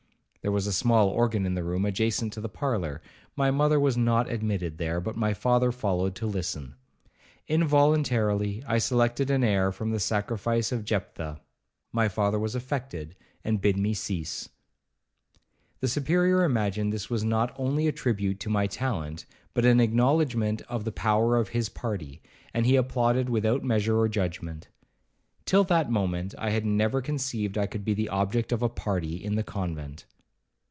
There was a small organ in the room adjacent to the parlour; my mother was not admitted there, but my father followed to listen. Involuntarily I selected an air from the 'Sacrifice of Jephtha.' My father was affected, and bid me cease. The Superior imagined this was not only a tribute to my talent, but an acknowledgement of the power of his party, and he applauded without measure or judgement. Till that moment, I had never conceived I could be the object of a party in the convent.